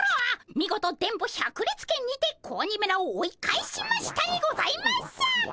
見事電ボ百裂拳にて子鬼めらを追い返しましたにございますっ！